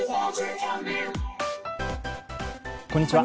こんにちは。